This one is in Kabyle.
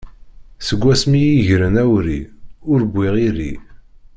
Seg wass mi i yi-gren awri, ur wwiɣ iri.